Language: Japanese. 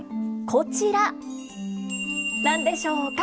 こちら何でしょうか？